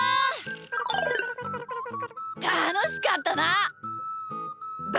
たのしかったな！